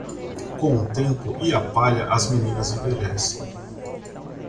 Com o tempo e a palha, as meninas envelhecem.